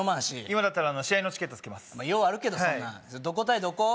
今だったら試合のチケットつけますようあるけどそんなんどこ対どこ？